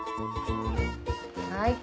はい。